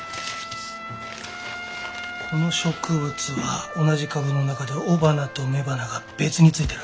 この植物は同じ株の中で雄花と雌花が別についてる。